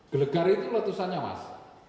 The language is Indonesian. gelegar itu letusannya mas